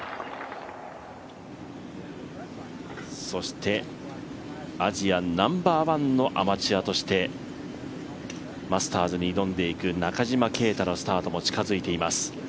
そして、アジアナンバーワンのアマチュアとしてマスターズに挑んでいく中島啓太のスタートも近づいています。